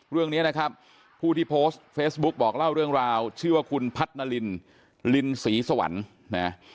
เรื่องนี้นะครับผู้ที่โพสต์เฟซบุ๊กบอกเล่าเรื่องราวชื่อว่าคุณพัฒนาลินลินศรีสวรรค์นะ